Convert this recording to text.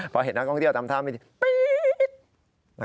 พอเห็นนักกองเที่ยวทำท่าไม่ดีปีกนะครับ